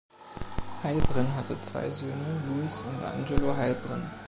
Heilprin hatte zwei Söhne, Louis und Angelo Heilprin.